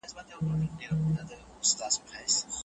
آیا پوهاوی ګډوډیږي کله چي چاپي قاموسونه تل پر میز شتون ولري؟